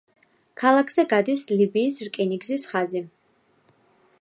ქალაქზე გადის ლიბიის რკინიგზის ხაზი.